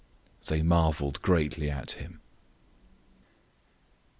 They marveled greatly at him.